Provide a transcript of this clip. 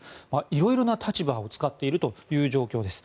いろいろな立場を使っている状況です。